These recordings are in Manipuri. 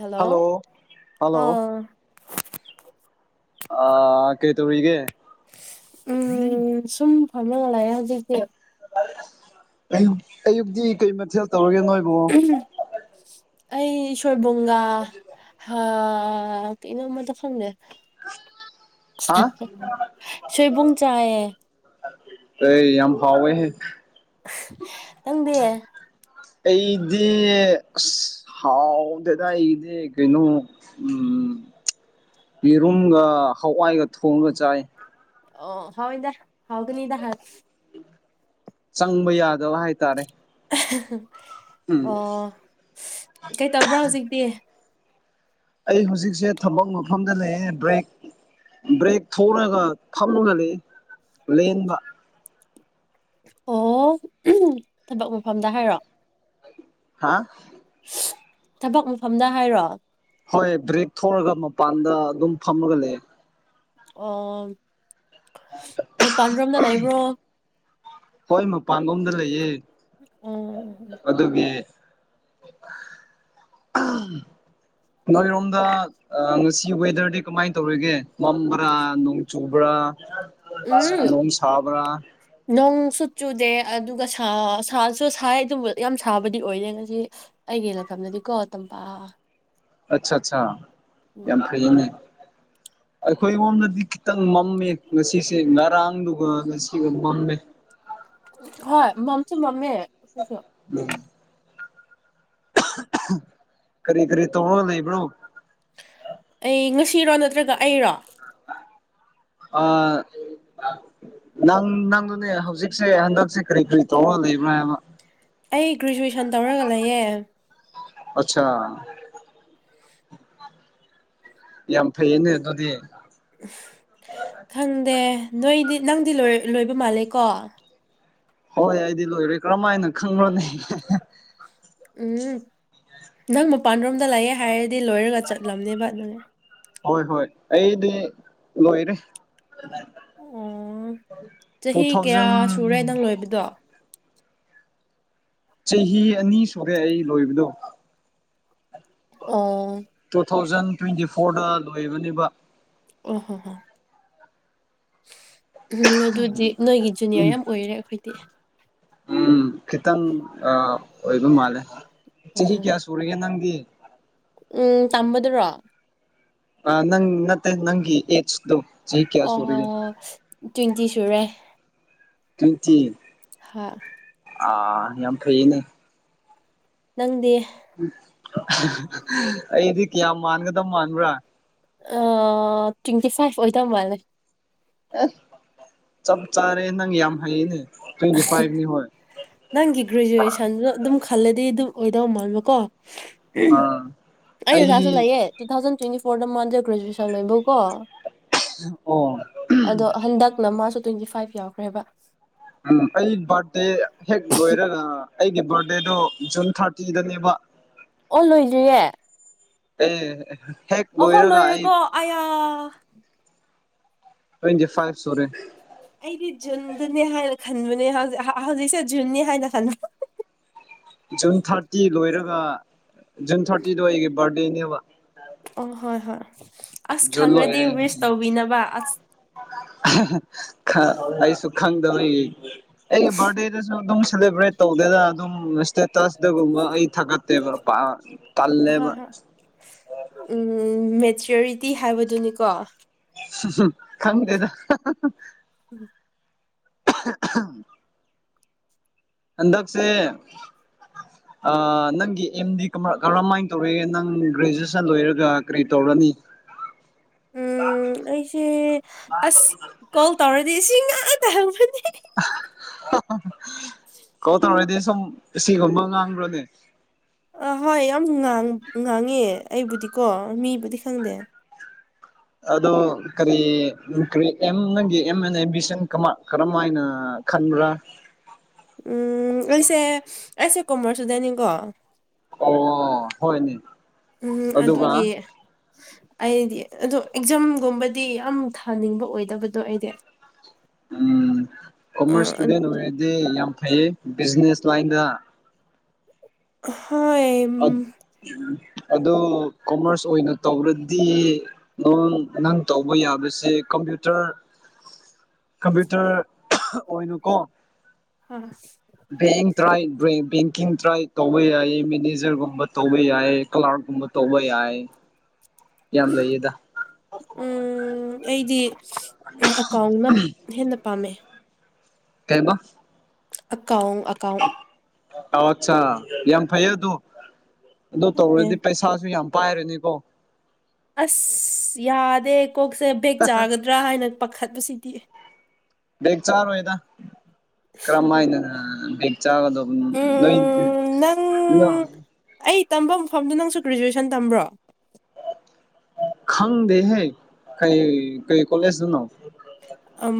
ꯍꯜꯂꯣ ꯍꯜꯂꯣ ꯑꯥ ꯑ ꯀꯔꯤ ꯇꯦꯔꯤꯒꯦ꯫ ꯎꯝ ꯁꯨꯝ ꯐꯔꯃꯨꯂꯥ ꯂꯥꯛꯑꯦ ꯍꯧꯖꯤꯛꯇꯤ꯫ ꯑꯌꯨꯛ ꯑꯌꯨꯛꯇꯤ ꯀꯩ ꯃꯊꯦꯜ ꯇꯧꯔꯒꯦ ꯅꯣꯏꯕꯨ ꯑꯩ ꯁꯣꯌꯕꯨꯝꯒꯥ ꯑ ꯀꯩꯅꯣꯃꯗ ꯈꯪꯗꯦ꯫ ꯍꯥ ꯁꯣꯏꯕꯨꯡ ꯆꯥꯏꯌꯦ꯫ ꯇ ꯌꯥꯝ ꯐꯥꯎꯕ ꯍꯦ ꯅꯪꯗꯗꯤ꯫ ꯑꯩꯗꯤ ꯑꯁ ꯍꯥꯎꯗꯅ ꯑꯩꯗꯤ ꯀꯩꯅꯣ ꯎꯝ ꯌꯦꯔꯨꯝꯒ ꯍꯋꯥꯏꯒ ꯊꯣꯡꯉꯒ ꯆꯥꯏ ꯑꯣ ꯍꯥꯎꯗ ꯍꯥꯎꯒꯅꯤꯗ ꯍꯥ ꯆꯪꯕ ꯌꯥꯗꯕ ꯍꯥꯏꯇꯥꯔꯦ꯫ ꯎꯝ ꯑꯣ ꯀꯩꯇꯧꯕ꯭ꯔꯥ ꯍꯧꯖꯤꯛꯇꯤ꯫ ꯑꯩ ꯍꯧꯖꯤꯛꯁꯦ ꯊꯕꯛ ꯃꯐꯝꯗ ꯂꯩꯌꯦꯦ ꯕ꯭ꯔꯦꯛ꯫ ꯕ꯭ꯔꯦꯛ ꯊꯣꯛꯂꯒ ꯐꯝꯂꯨ ꯍꯂ ꯂꯦꯟꯕ ꯑꯣ ꯊꯕꯛ ꯃꯐꯝꯗ ꯍꯥꯏꯔꯣ ꯍꯥ ꯊꯕꯛ ꯃꯐꯝꯗ ꯍꯥꯏꯔꯣ ꯍꯣꯏ ꯕ꯭ꯔꯦꯛ ꯊꯣꯛꯂꯒ ꯃꯄꯥꯟꯗ ꯑꯗꯨꯝ ꯐꯝꯃꯒ ꯂꯩꯌꯦ꯫ ꯑꯣ ꯂꯨꯄꯥꯥꯟꯔꯣꯝꯅ ꯂꯩꯕ꯭ꯔꯣ꯫ ꯍꯣꯏ ꯃꯄꯥꯟꯂꯣꯝꯗ ꯂꯩꯌꯦ꯫ ꯑꯣ ꯑꯣ ꯑꯗꯨꯒꯤ ꯅꯣꯏꯔꯣꯝꯗ ꯉꯁꯤ ꯋꯦꯗꯔꯗꯤ ꯀꯃꯥꯏꯅ ꯇꯧꯔꯤꯒꯦ꯫ ꯃꯝꯕ꯭ꯔꯥ ꯅꯣꯡ ꯆꯨꯕ꯭ꯔꯥ ꯅꯣꯡ ꯁꯥꯕ꯭ꯔꯥ ꯅꯣꯡꯁꯨꯨ ꯆꯨꯗꯦ ꯑꯗꯨꯒ ꯁꯥꯁꯨ ꯁꯥꯏ ꯑꯗꯨꯕꯨ ꯌꯥꯝ ꯁꯥꯕꯗꯤ ꯑꯣꯏꯗꯦ ꯉꯁꯤ ꯑꯩꯒꯤ ꯂꯩꯥꯏꯐꯝꯗꯗꯤ ꯀꯣ ꯇꯝꯄꯥꯛ ꯑꯠꯆꯥ ꯑꯆꯥ ꯎꯝ ꯌꯥꯝ ꯐꯔꯤꯅꯦ ꯑꯩꯈꯣꯏ ꯂꯣꯝꯗꯗꯤ ꯈꯤꯇꯪ ꯃꯝꯃꯦ ꯉꯁꯤꯁꯦ ꯉꯔꯥꯡꯗꯨꯒ ꯉꯁꯤꯒ ꯃꯝꯃꯦ ꯑ ꯍ ꯃꯝꯁꯨ ꯃꯝꯦ ꯀꯣꯏꯁꯨꯣ ꯎꯝ ꯀꯔꯤ ꯀꯔꯤ ꯇꯧꯉ ꯂꯩ ꯅꯣ ꯑꯩ ꯉꯁꯤꯔꯣ ꯅꯠꯇ꯭ꯔꯒ ꯑꯩꯔꯣ ꯑ ꯅꯪ ꯅꯪꯗꯨꯅꯦ ꯍꯧꯖꯤꯛꯁꯦ ꯍꯟꯗꯛꯁꯦ ꯀꯔꯤ ꯀꯔꯤ ꯇꯧꯔꯒ ꯂꯩꯕ꯭ꯔ ꯍꯥꯏꯕ ꯑꯩ ꯒ꯭ꯔꯦꯖꯨꯦꯁꯟ ꯇꯧꯔꯒ ꯂꯩꯌꯦ ꯑꯆꯥ ꯌꯥꯝ ꯐꯩꯌꯦꯅꯦ ꯑꯗꯨꯗꯤ ꯎ ꯈꯪꯗꯦ ꯅꯣꯏꯗꯤ ꯅꯪꯗꯤꯣꯏ ꯂꯣꯏꯕ ꯃꯥꯜꯂꯦꯀꯣ ꯍꯣꯏ ꯑꯩꯗꯤ ꯂꯣꯏꯔꯦ ꯀꯔꯝ ꯍꯥꯏꯅ ꯈꯪꯈ꯭ꯔꯣꯅꯤ ꯎꯝ ꯅꯪ ꯃꯄꯥꯟꯔꯣꯝꯗ ꯂꯥꯛꯑꯦ ꯍꯥꯏꯔꯗꯤ ꯂꯣꯏꯔꯒ ꯆꯠꯂꯝꯅꯦꯕ ꯅꯪ ꯍꯣꯏ ꯍꯣꯏ ꯑꯩꯗꯤ ꯂꯣꯏꯔꯦ ꯑꯣ ꯄꯊꯞꯖ ꯑꯣꯏꯕꯗꯣ ꯆꯍꯤ ꯑꯅꯤ ꯁꯨꯔꯦ ꯑꯩ ꯂꯣꯏꯕꯗꯣ ꯑꯣ ꯇꯨ ꯊꯥꯎꯖꯟ ꯇ꯭ꯋꯦꯟꯇꯤ ꯐꯣꯔꯗ ꯂꯣꯏꯕꯅꯦꯕ ꯑꯣ ꯍꯣ ꯍꯣ ꯎꯝ ꯑꯗꯨꯗꯤ ꯅꯣꯏꯒꯤ ꯖꯨꯅꯤꯌꯔ ꯌꯥꯝ ꯑꯣꯏꯔꯦ ꯑꯩꯈꯣꯏꯗꯤ ꯎꯝ ꯈꯤꯇꯪ ꯑꯣꯏꯕ ꯃꯥꯜꯂꯦ ꯆꯍꯤ ꯎꯝ ꯀꯌꯥ ꯁꯨꯔꯤꯒꯦ ꯅꯪꯗꯤ ꯎꯝ ꯇꯝꯕꯗꯨꯔꯣ ꯑ ꯅꯪ ꯅꯠꯇꯦ ꯅꯪ ꯌꯦꯠꯗꯨ ꯑꯣ ꯇ꯭ꯋꯦꯟꯇꯤ ꯁꯨꯔꯦ ꯇ꯭ꯋꯦꯟꯇ ꯍꯥ ꯑ ꯌꯥꯝ ꯐꯩꯅꯦ ꯅꯪꯗꯤ ꯑꯩꯗꯤ ꯀꯌꯥꯝ ꯃꯥꯟꯒꯗ ꯃꯥꯟꯕ꯭ꯔꯥ ꯇ꯭ꯋꯦꯟꯇꯤ ꯐꯥꯏꯚ ꯑꯣꯏꯗꯝꯕ ꯂꯩꯦ ꯆꯞ ꯆꯥꯔꯦ ꯅꯪ ꯌꯥꯝ ꯍꯩꯌꯦꯅꯦ ꯇ꯭ꯋꯦꯟꯇꯤ ꯐꯥꯏꯚꯅꯤ ꯍꯣꯏ ꯅꯪꯒꯤ ꯒ꯭ꯔꯦꯖꯨꯋꯦꯁꯟꯗꯨ ꯑꯗꯨꯝ ꯈꯜꯂꯗꯤ ꯑꯗꯨꯝ ꯑꯣꯏꯗꯧ ꯃꯕꯀꯣ ꯑꯥ ꯑꯩ ꯑꯣꯖꯥꯁꯨ ꯂꯩꯌꯦ ꯇꯨ ꯊꯥꯎꯖꯟ ꯇ꯭ꯋꯦꯟꯇꯤ ꯐꯣꯔꯗ ꯃꯣꯟꯁꯦ ꯒ꯭ꯔꯦꯖꯨꯋꯦꯁꯟ ꯂꯩꯕꯧꯀꯣ ꯑꯣ ꯑꯗꯣ ꯍꯟꯗꯛꯅ ꯃꯥꯁꯨ ꯇ꯭ꯋꯦꯟꯇꯤ ꯐꯥꯏꯚ ꯌꯥꯎꯈ꯭ꯔꯦꯕ ꯎꯝ ꯑꯩ ꯕꯥꯔꯗꯦ ꯍꯦꯛ ꯂꯣꯏꯔꯒ ꯑꯩꯒꯤ ꯕꯥꯔꯗꯦꯗꯣ ꯖꯨꯟ ꯊꯥꯔꯇꯤꯗꯅꯦꯕ ꯑꯣ ꯂꯣꯏꯗ꯭ꯔꯤꯌꯦ ꯑꯦ ꯍꯦꯛ ꯑꯣꯍꯣ ꯂꯣꯏꯔꯒ ꯑꯩ ꯂꯣꯏꯔꯦꯀꯣ ꯑꯌꯥ ꯇ꯭ꯋꯦꯟꯇꯤ ꯐꯥꯏꯚ ꯁꯣꯔꯤ ꯑꯩꯗꯤ ꯖꯨꯟꯗꯨꯅꯦ ꯍꯥꯏꯅ ꯈꯟꯕꯅꯦ ꯍꯧꯖꯤꯛ ꯍꯧꯖꯤꯛꯁꯦ ꯖꯨꯟꯅꯤ ꯍꯥꯏꯅ ꯈꯟꯕ ꯖꯨꯟ ꯊꯥꯔꯇꯤ ꯂꯣꯏꯔꯒ ꯖꯨꯟ ꯊꯥꯔꯇꯤꯗꯣ ꯑꯩꯒꯤ ꯕꯥꯔꯗꯦꯅꯦꯕ ꯑꯣ ꯍꯣꯏ ꯍꯣꯏ ꯑꯁ ꯖꯨꯟ ꯈꯪꯉꯗꯤ ꯂꯣꯏꯔꯦ ꯋꯦꯤꯁ ꯇꯧꯕꯤꯅꯕ ꯑꯁ ꯑꯩꯁꯨ ꯈꯪꯗꯕꯩ ꯑꯩꯒꯤ ꯕꯥꯔꯠ ꯗꯦꯗ ꯁꯨ ꯁꯨ ꯑꯗꯨꯝ ꯁꯦꯂꯦꯕ꯭ꯔꯦꯠ ꯇꯧꯗꯦꯗꯅ ꯑꯗꯨꯝ ꯏꯁꯇꯦꯇꯁꯇꯒꯨꯝꯕ ꯑꯩ ꯊꯥꯒꯠꯇꯦꯕ ꯇꯜꯂꯦꯕ ꯎ ꯃꯦꯆꯌꯔꯤꯇꯤ ꯍꯥꯏꯕꯗꯨꯅꯤꯀꯣ ꯈꯪꯗꯦꯗ ꯍꯟꯗꯛꯁꯦ ꯅꯪꯒꯤ ꯑꯦꯝꯗꯤ ꯀꯔꯝꯍꯥꯏꯅ ꯇꯧꯔꯦ ꯅꯪ ꯒ꯭ꯔꯦꯖꯨꯑꯦꯁꯟ ꯂꯣꯏꯔꯒ ꯀꯔꯤ ꯇꯧꯔꯅꯤ ꯎꯝ ꯑꯩꯁꯦ ꯑꯁ ꯀꯣꯜ ꯇꯧꯔꯗꯤ ꯁꯤ ꯉꯥꯛꯇ ꯍꯪꯕꯅꯦ ꯀꯧ ꯇꯧꯔꯗꯤ ꯁꯨꯝ ꯁꯤꯒꯨꯝꯕ ꯉꯥꯡꯕ꯭ꯔꯣꯅꯦ ꯑꯥ ꯍꯣꯏ ꯌꯥꯝ ꯉꯥꯡꯉꯦ ꯑꯩꯕꯨꯗꯤꯀꯣ ꯃꯤꯕꯨꯗꯤ ꯈꯪꯗꯦ ꯑꯗꯣ ꯀꯔꯤ ꯀꯔꯤ ꯑꯦꯝ ꯅꯪꯒꯤ ꯑꯦꯝ ꯑꯦꯟꯦꯝꯕꯤꯁꯟ ꯀꯔꯝ ꯍꯥꯏꯅ ꯈꯥꯟꯕ꯭ꯔꯥ ꯎ ꯑꯩꯁꯦ ꯑꯩꯁꯦ ꯀꯣꯃꯔꯁ ꯢꯁꯇꯨꯗꯦꯟ ꯅꯤꯀꯣ ꯑꯣ ꯍꯣꯏꯅꯦ ꯎꯝ ꯑꯗꯨꯒ ꯑꯗꯨꯒꯤ ꯑꯩꯗꯤ ꯑꯗꯣ ꯑꯦꯛꯖꯥꯝꯒꯨꯝꯕꯗꯤ ꯌꯥꯝ ꯊꯥꯅꯤꯡꯕ ꯑꯣꯏꯗꯕꯗꯣ ꯑꯩꯗꯤ ꯎꯝ ꯀꯣꯃꯔꯁ ꯑ ꯏꯁꯇꯨꯗꯦꯟ ꯑꯣꯏꯔꯗꯤ ꯌꯥꯝ ꯐꯩꯌꯦ ꯕꯤꯖꯤꯅꯦꯁ ꯂꯥꯏꯟꯗ ꯍꯣꯏ ꯑꯗꯣ ꯀꯣꯃꯔꯁ ꯑꯣꯏꯅ ꯇꯧꯔꯗꯤ ꯅꯪ ꯅꯪ ꯇꯧꯕ ꯌꯥꯕꯁꯦ ꯀꯝꯄ꯭ꯌꯨꯇꯔ ꯀꯝꯄ꯭ꯌꯨꯇꯔ ꯑꯣꯏꯅ ꯑꯣꯏꯅꯀꯣ ꯍꯣꯏ ꯕꯦꯡ ꯇ꯭ꯔꯥꯏ ꯕꯦꯡꯀꯤꯡ ꯇ꯭ꯔꯥꯏ ꯇꯧꯕ ꯌꯥꯏꯌꯦ ꯃꯦꯅꯦꯖ ꯖꯔꯒꯨꯝꯕ ꯇꯧꯕ ꯌꯥꯏ ꯀꯂꯥꯔꯛꯒꯨꯝꯕ ꯇꯧꯕ ꯌꯥꯏ ꯌꯥꯝ ꯂꯩꯌꯦꯗ ꯎꯝ ꯑꯩꯗꯤ ꯑꯦꯀꯥꯎꯟꯅ ꯍꯦꯟꯅ ꯄꯥꯝꯃꯦ ꯀꯩꯕꯥ ꯑꯀꯥꯎꯟ ꯑꯀꯥꯎꯟ ꯑ ꯑꯠꯆꯥ ꯌꯥꯝ ꯐꯩ ꯑꯗꯨꯗꯣ ꯑꯗꯨ ꯈꯪꯗꯦ ꯇꯧꯔꯗꯤ ꯄꯩꯁꯥꯁꯨ ꯌꯥꯝ ꯄꯥꯏꯔꯅꯤꯀꯣ ꯑꯁ ꯌꯥꯗꯦ ꯀꯣꯛꯁꯦ ꯕꯦꯛ ꯆꯥꯒꯗ꯭ꯔꯥ ꯍꯥꯏꯅ ꯄꯥꯈꯠꯄꯁꯤꯗꯤ ꯕꯦꯛ ꯆꯥꯔꯣꯏꯗ ꯀ꯭ꯔꯃꯥꯏꯅ ꯕꯦꯛ ꯆꯥꯒꯗꯕ ꯑꯗꯨ ꯎꯝ ꯅꯣꯏ ꯎꯝ ꯅꯪ ꯑꯩ ꯇꯝꯕ ꯃꯐꯝꯗ ꯅꯪꯁꯨ ꯒ꯭ꯔꯦꯖꯨꯋꯦꯁꯟ ꯇꯝꯕ꯭ꯔꯣ ꯈꯪꯗꯦ ꯍꯦ ꯀꯩ ꯀꯩ ꯀꯣꯂꯦꯖ ꯅꯣ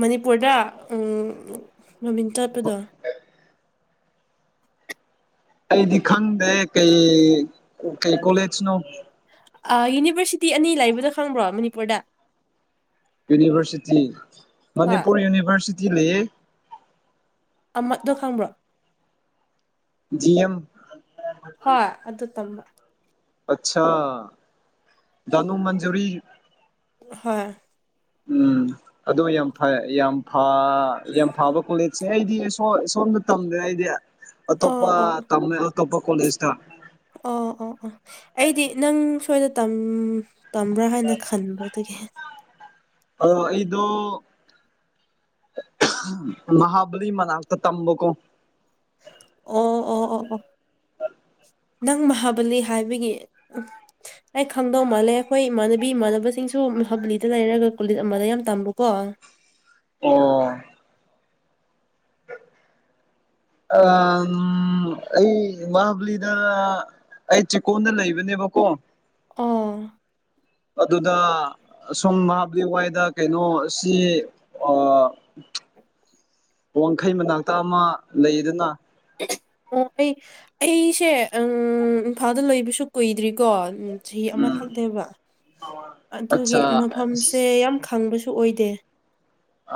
ꯃꯅꯤꯄꯨꯔꯗ ꯃꯃꯤꯡ ꯆꯠꯄꯗꯣ ꯑꯩꯗꯤ ꯈꯪꯗꯦ ꯀꯩ ꯀꯩ ꯀꯣꯂꯦꯖꯅꯣ ꯌꯨꯅꯤꯕꯔꯁꯤꯇꯤ ꯑꯅꯤ ꯂꯩꯕꯗꯣ ꯈꯪꯕ꯭ꯔꯣ ꯃꯅꯤꯄꯨꯔꯗ ꯌꯨꯅꯤꯚꯔꯁꯤꯇꯤ ꯍꯣꯏ ꯃꯅꯤꯄꯨꯔ ꯌꯨꯅꯤꯚꯔꯁꯤꯇꯤ ꯂꯩꯌꯦ ꯑꯃꯗꯣ ꯈꯪꯕ꯭ꯔꯣ ꯗꯤ ꯑꯦꯝ ꯍꯣꯏ ꯑꯗꯨ ꯇꯝꯕ ꯑꯆꯥꯥ ꯙꯅꯃꯟꯖꯨꯔꯤ ꯍꯣꯏ ꯎꯝ ꯑꯗꯨ ꯌꯥꯝ ꯐ ꯌꯥꯝ ꯌꯥꯝ ꯐꯥꯕ ꯀꯣꯂꯦꯖ ꯁꯦ ꯑꯩꯗꯤ ꯁꯣꯝꯗ ꯇꯝꯗ꯭ꯔꯦ ꯑꯩꯗꯤ ꯑꯣ ꯑꯇꯣꯞꯄ ꯑꯣ ꯇꯝꯃꯦ ꯑꯇꯣꯞꯄ ꯀꯣꯂꯦꯖꯇ ꯑꯣ ꯑꯣ ꯑꯣ ꯑꯩꯗꯤ ꯅꯪ ꯁꯋꯥꯏꯗ ꯇꯝ ꯇꯝꯕ꯭ꯔꯥ ꯍꯥꯏꯅ ꯈꯟꯕ ꯑꯗꯨꯒꯤ ꯑꯗꯣ ꯑꯩꯗꯣ ꯃꯥꯍꯥꯕꯂꯤ ꯃꯅꯥꯛꯇ ꯇꯝꯕꯀꯣ ꯑꯣ ꯑꯣ ꯑꯣ ꯑꯣ ꯅꯪ ꯃꯍꯥꯕꯂꯤ ꯍꯥꯏꯕꯒꯤ ꯑꯩ ꯈꯪꯗꯧ ꯃꯥꯜꯂꯦ ꯑꯩꯈꯣꯏ ꯏꯃꯥꯟꯅꯕꯤ ꯏꯃꯥꯟꯅꯕꯁꯤꯡꯁꯨ ꯍꯕꯂꯤꯗ ꯂꯩꯔꯒ ꯀꯣꯂꯖ ꯑꯃꯗ ꯌꯥꯝ ꯇꯝꯕꯀꯣ ꯑꯣ ꯑ ꯎ ꯑꯩ ꯃꯕꯂꯤꯗ ꯑꯩ ꯆꯤꯀꯣꯟꯗ ꯂꯩꯕꯅꯦꯕꯀꯣ ꯑꯗꯨ ꯑ ꯁꯨꯝꯝ ꯅꯍꯥꯕꯂꯤ ꯋꯥꯏꯗ ꯀꯩꯅꯣ ꯁꯤ [inaudible] ꯋꯥꯡꯈꯩ ꯃꯅꯥꯛꯇ ꯑꯃ ꯂꯩꯗꯨꯅ ꯑꯣ ꯑꯩ ꯑꯩꯁꯦ ꯏꯝꯐꯥꯜꯗ ꯂꯣꯏꯕꯁꯨ ꯀꯨꯏꯗ꯭ꯔꯤꯀꯣ ꯆꯍꯤ ꯎꯝ ꯑꯃꯈꯛꯅꯦꯕ ꯑꯗꯨꯒꯤ ꯑꯠꯆꯥ ꯃꯐꯝꯁꯦ ꯑꯁ ꯌꯥꯝ ꯈꯪꯕꯁꯨ ꯑꯣꯏꯗꯦ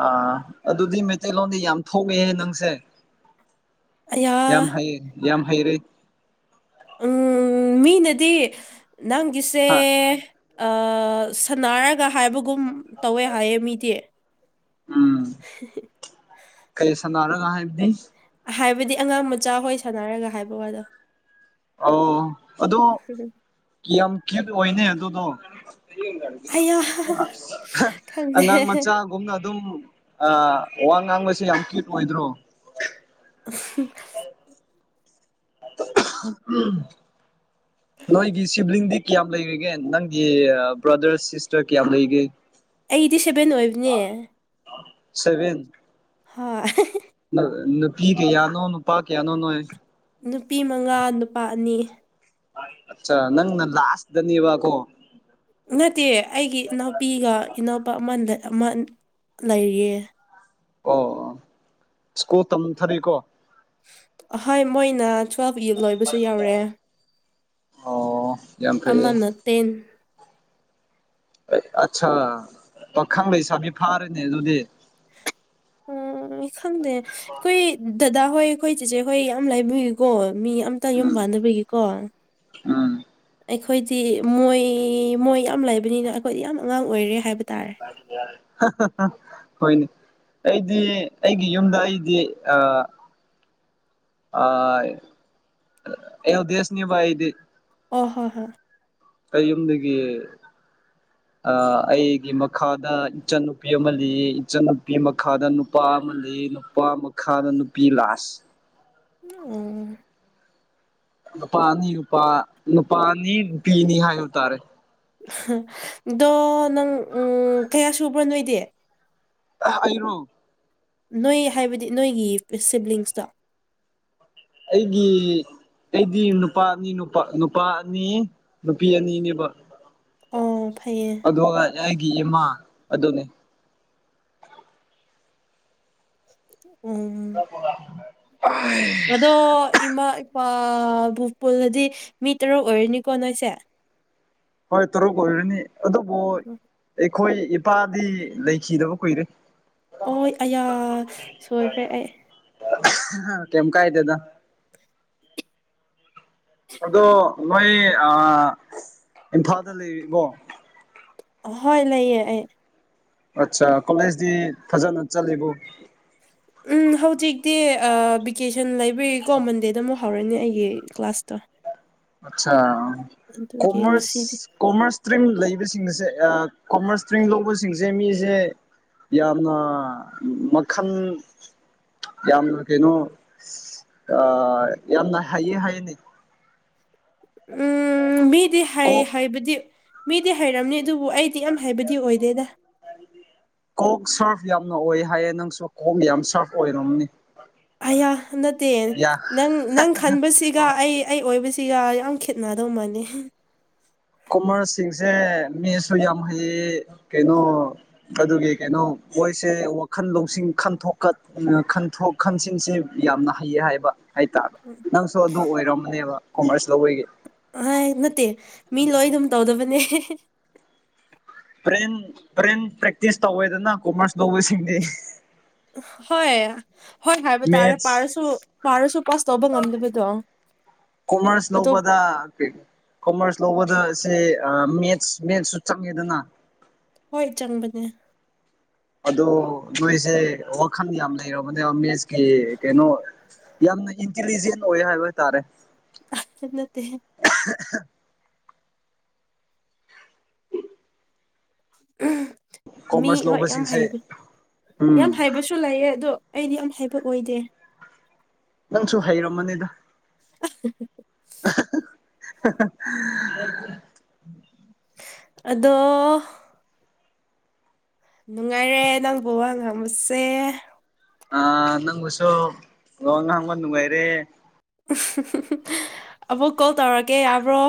ꯑꯥ ꯑꯗꯨꯗꯤ ꯃꯩꯇꯩꯂꯣꯟꯗꯤ ꯌꯥꯝ ꯊꯣꯛꯑꯦ ꯅꯪꯁꯦ ꯑꯌꯥ ꯌꯥꯝ ꯍꯩ ꯌꯥꯝ ꯍꯩꯔꯦ ꯎꯝ ꯃꯤꯅꯗꯤ ꯅꯪꯒꯤꯁꯦ ꯍꯥ ꯁꯥꯟꯅꯔꯒ ꯍꯥꯏꯕꯒꯨꯝ ꯇꯧꯋꯦ ꯍꯥꯏꯌꯦ ꯃꯤꯗꯤ ꯎꯝ ꯀꯩ ꯁꯟꯅꯔꯥꯒ ꯍꯥꯢꯕꯗꯤ ꯍꯥꯏꯕꯗꯤ ꯑꯉꯥꯡ ꯃꯆꯥꯍꯣꯏ ꯁꯥꯟꯅꯔꯒ ꯍꯥꯏꯕ ꯋꯥꯗꯣ ꯑꯣ ꯑꯗꯣ ꯌꯥꯝ ꯀ꯭ꯌꯛ ꯑꯣꯏꯅꯦ ꯑꯗꯨꯗꯣ ꯑꯌꯥ ꯈꯪꯗꯦ ꯑꯉꯥꯡ ꯃꯆꯥ ꯨꯝꯅ ꯑꯗꯨꯝ ꯋꯥ ꯉꯥꯡꯕꯁꯦ ꯌꯥꯝ ꯀ꯭ꯌꯨꯠ ꯑꯣꯏꯗ꯭ꯔꯣ ꯎꯝ [inaudible] ꯎꯝ [inaudible] ꯅꯣꯏꯒꯤ ꯁꯤꯕ꯭ꯂꯤꯡꯗꯤ ꯀꯌꯥꯝ ꯂꯩꯔꯤꯒꯦ ꯅꯪꯒꯤ ꯕ꯭ꯔꯗꯔ ꯁꯤꯁꯇꯔ ꯀꯌꯥꯝ ꯂꯩꯒꯦ ꯑꯩꯗꯤ ꯁꯚꯦꯟ ꯑꯣꯏꯕꯅꯦ ꯁꯚꯤꯟ ꯍꯣꯏ ꯅꯨꯄꯤ ꯀꯌꯥꯅꯣ ꯅꯨꯄꯥ ꯀꯌꯥꯅꯣ ꯅꯣꯏ ꯅꯨꯄꯤ ꯃꯉꯥ ꯅꯨꯄꯥ ꯑꯅꯤ ꯑꯆꯥ ꯅꯪ ꯅ ꯂꯥꯁꯇꯥꯅꯦꯕꯥ ꯀꯣ ꯅꯠꯇꯦ ꯑꯩꯒꯤ ꯏꯅꯥꯎꯄꯤꯒ ꯏꯅꯥꯎꯄꯥ ꯑꯃ ꯑꯃ ꯂꯩꯔꯤꯌꯦ ꯑꯣ ꯁ꯭ꯀꯨꯜ ꯇꯝꯊꯔꯤꯀꯣ ꯍꯣꯏ ꯃꯣꯏꯅꯥ ꯇ꯭ꯋꯦꯜꯞ ꯛ ꯂꯣꯏꯕꯁꯨ ꯌꯥꯎꯔꯑꯦ ꯑꯣ ꯌꯥꯝ ꯐꯩꯌꯦ ꯑꯃꯅ ꯇꯦꯟ ꯑꯠꯁꯥ ꯄꯥꯈꯪ ꯂꯩꯁꯥꯕꯤ ꯐꯥꯔꯦꯅꯦ ꯑꯗꯨꯗꯤ ꯎꯝ ꯈꯪꯗꯦ ꯑꯩꯈꯣꯏ ꯗꯗꯥ ꯍꯣꯏ ꯑꯩꯈꯣꯏ ꯆꯤꯆꯦ ꯍꯣꯏ ꯌꯥꯝ ꯂꯥꯏꯕꯤꯏꯀꯣ ꯃꯤ ꯌꯥꯝ ꯑꯇ ꯎꯝ ꯌꯨꯝꯕꯥꯥꯟꯗꯕꯤꯒꯀꯣ [inaudible] ꯎꯝ ꯑꯩꯈꯣꯏꯗꯤ ꯃꯣꯏ ꯃꯣꯏ ꯌꯥꯝ ꯂꯩꯕꯅꯤꯅ ꯑꯩꯈꯣꯏꯗꯤ ꯌꯥꯝ ꯑꯉꯥꯡ ꯑꯣꯏꯔꯦ ꯍꯥꯏꯕ ꯇꯥꯔꯦ ꯍꯣꯏꯅꯦ ꯑꯩꯗꯤ ꯑꯩꯒꯤ ꯌꯨꯝꯗ ꯑꯩꯗꯤ ꯑ ꯑ ꯑꯦꯜꯗꯦꯁꯅꯦꯕ ꯑꯩꯗꯤ ꯍꯣꯏ ꯍꯣꯏ ꯍꯣꯏ ꯑꯩ ꯌꯨꯝꯗꯒꯤ ꯑꯩꯒꯤ ꯃꯈꯥꯗ ꯏꯆꯟꯅꯨꯄꯤ ꯑꯃ ꯂꯤꯌꯦ ꯏꯆꯟꯅꯨꯄꯤ ꯃꯈꯥꯗ ꯅꯨꯄꯥ ꯑꯃ ꯂꯩ ꯅꯨꯄꯥ ꯃꯈꯥꯗ ꯅꯨꯄꯤ ꯂꯥꯁ ꯎꯝ ꯅꯨꯄꯥꯅꯤ ꯅꯨꯄꯥ ꯅꯨꯄꯥ ꯑꯅꯤ ꯅꯨꯄꯤ ꯑꯅꯤ ꯍꯥꯏꯕ ꯇꯥꯔꯦ ꯑꯗꯣ ꯅꯪ ꯀꯌꯥ ꯁꯨꯕ꯭ꯔꯣ ꯅꯣꯏꯗꯤ ꯑꯩꯔꯣ ꯅꯣꯏ ꯍꯥꯏꯕꯗꯤ ꯅꯣꯏꯒꯤ ꯁꯤꯕ꯭ꯂꯤꯡꯁꯇꯣ ꯑꯩꯒꯤ ꯑꯩꯗꯤ ꯅꯨꯄꯥ ꯑꯅꯤ ꯅꯨꯄꯥ ꯅꯨꯄꯥ ꯑꯅꯤ ꯅꯨꯄꯤ ꯑꯅꯤꯅꯦꯕ ꯑꯣ ꯎꯝ ꯑꯗꯨꯒ ꯑꯩꯒꯤ ꯏꯃꯥ ꯑꯗꯨꯅꯤ ꯎꯝ ꯑꯗꯣ ꯏꯃꯥ ꯏꯄꯥꯕꯨ ꯄꯨꯜꯂꯗꯤ ꯃꯤ ꯇꯔꯨꯛ ꯑꯣꯏꯔꯅꯤꯀꯣ ꯅꯣꯏꯁꯦ ꯍꯣꯏ ꯇꯔꯨꯛ ꯑꯣꯏꯔꯅꯤ ꯑꯗꯨꯕꯨ ꯎꯝ ꯑꯩꯈꯣꯏ ꯏꯄꯥꯗꯤ ꯂꯩꯈꯤꯗꯕ ꯀꯨꯏꯔꯦ ꯑꯣ ꯑꯌꯥ ꯁꯣꯏꯈ꯭ꯔꯦ ꯑꯩ ꯀꯝ ꯀꯥꯏꯗꯦꯗ ꯑꯗꯣ ꯅꯣꯏ ꯏꯝꯐꯥꯜꯗ ꯂꯩꯔꯤꯕꯔꯤꯀꯣ ꯍꯣꯏ ꯂꯩꯌꯦ ꯑꯩ ꯑꯠ ꯀꯣꯂꯦꯖꯇꯤ ꯐꯖꯅ ꯆꯠꯂꯤꯕꯨ ꯎꯝ ꯍꯧꯖꯤꯛꯇꯤ ꯚꯦꯀꯦꯁꯟ ꯂꯩꯕꯒꯤꯀꯣ ꯃꯟꯗꯦꯗ ꯑꯃꯨꯛ ꯍꯧꯔꯅꯤ ꯑꯩꯒꯤ ꯀ꯭ꯂꯥꯁ ꯑꯆꯥ ꯑꯗꯨꯒꯤ ꯀꯣꯃꯔꯁ ꯉꯁꯤꯗꯤ ꯀꯣꯃꯔꯁ ꯏꯁꯇ꯭ꯔꯤꯝ ꯂꯩꯕꯁꯤꯡꯁꯦ ꯀꯣꯃꯔꯁ ꯏꯁꯇ꯭ꯔꯤꯝ ꯂꯧꯕꯁꯤꯡꯁꯦ ꯃꯤꯁꯦ ꯌꯥꯝꯅ ꯃꯈꯜ ꯌꯥꯝꯅ ꯀꯩꯅꯣ ꯑ ꯌꯥꯝꯅ ꯍꯥꯏꯌꯦ ꯍꯥꯏꯌꯦꯅꯦ ꯎꯝ ꯃꯤꯗꯤ ꯍꯥꯏꯌꯦ ꯀꯣꯛ ꯍꯥꯏꯕꯗꯤ ꯃꯤꯗꯤ ꯍꯩꯔꯝꯅꯤ ꯑꯗꯨꯕꯨ ꯑꯩꯗꯤ ꯌꯥꯝ ꯍꯩꯕꯗꯤ ꯑꯣꯏꯗꯦꯗ ꯀꯣꯛ ꯁꯔꯐ ꯌꯥꯝꯅ ꯑꯣꯏ ꯍꯥꯏꯌꯦ ꯅꯪꯁꯨ ꯀꯣꯛ ꯌꯥꯝ ꯁꯥꯔꯐ ꯑꯣꯏꯔꯝꯅꯤ ꯑꯌꯥ ꯅꯠꯇꯦ ꯌꯥ ꯅꯪ ꯅꯪ ꯈꯟꯕꯁꯤꯒ ꯑꯩ ꯑꯩ ꯑꯣꯏꯕꯁꯤ ꯁꯤꯒ ꯌꯥꯝ ꯈꯦꯠꯅꯗꯧꯃꯅꯤ ꯀꯣꯃꯔꯁꯁꯤꯡꯁꯦ ꯃꯤꯁꯨ ꯌꯥꯝ ꯍꯩꯌꯦ ꯀꯩꯅꯣ ꯑꯗꯨꯒꯤ ꯀꯩꯅꯣ ꯃꯣꯏꯁꯦ ꯋꯥꯈꯜ ꯂꯧꯁꯤꯡ ꯈꯟꯣꯛꯀ ꯈꯟꯣꯛ ꯃꯈꯟꯁꯤꯡꯁꯤ ꯌꯥꯝꯅ ꯍꯩꯌꯦ ꯍꯥꯏꯕ ꯍꯥꯏꯇꯥꯔꯦ ꯎꯝ ꯅꯪꯁꯨ ꯑꯗꯨꯝ ꯑꯣꯏꯔꯝꯅꯦꯕ ꯀꯣꯃꯔꯁ ꯂꯧꯕꯒꯤ ꯑ ꯅꯠꯇꯦ ꯃꯤ ꯂꯣꯏ ꯑꯗꯨꯝ ꯇꯧꯗꯕꯅꯦ ꯍ꯭ꯔꯦꯟ ꯍꯣꯔꯦꯟ ꯄ꯭ꯔꯦꯛꯇꯤꯁ ꯇꯧꯋꯦꯗꯅ ꯀꯣꯃꯔꯁ ꯂꯧꯕꯁꯤꯡꯗꯤ ꯍꯣꯏ ꯍꯣꯏ ꯍꯥꯏꯕ ꯇꯥꯔꯦ ꯃꯦꯠꯁ ꯄꯥꯔꯁꯨ ꯄꯥꯔꯁꯨ ꯄꯥꯁ ꯇꯧꯕ ꯉꯝꯗꯕꯗꯣ ꯑꯇꯣꯞ ꯑꯦ ꯀꯣꯃꯔꯁ ꯂꯧꯕꯗ ꯁꯦ ꯃꯦꯠꯁ ꯃꯦꯠꯁꯁꯨ ꯆꯪꯉꯦꯗꯅ ꯍꯣꯏ ꯆꯪꯕꯅꯦ ꯑꯗꯣ ꯅꯣꯏꯁꯦ ꯋꯥꯈꯜ ꯌꯥꯝ ꯂꯩꯔꯕꯅꯦꯕ ꯃꯦꯠꯁꯀꯤ ꯀꯩꯅꯣ ꯌꯥꯝꯅ ꯏꯟꯇꯤꯂꯤꯖꯦꯟ ꯑꯣꯏ ꯍꯥꯏꯕ ꯇꯥꯔꯦ ꯅꯠꯇꯦ [inaudible] ꯎꯝ ꯃꯤ ꯍꯣꯏ ꯌꯥꯝ ꯂꯧꯕꯁꯤꯡꯁꯦ ꯍꯥꯏꯕ ꯌꯥꯝ ꯎꯝ ꯍꯥꯏꯕꯁꯨ ꯁꯨ ꯂꯩꯑꯦ ꯑꯗꯣ ꯑꯩꯗꯤ ꯌꯥꯝ ꯍꯥꯏꯕ ꯑꯣꯏꯗꯦ ꯅꯪꯁꯨ ꯍꯩꯔꯝꯃꯅꯤꯗ ꯑ [inaudible] ꯑꯗꯣ ꯅꯨꯡꯉꯥꯏꯔꯦ ꯅꯪꯕꯨ ꯋꯥ ꯉꯝꯃꯨꯁꯦ ꯑ ꯅꯪꯕꯨꯁꯨ ꯂ ꯍꯥꯡꯕ ꯅꯨꯡꯉꯥꯏꯔꯦ ꯑꯃꯕꯨꯛ ꯀꯣꯜ ꯇꯧꯔꯛꯀꯦ ꯌꯥꯕ꯭ꯔꯣ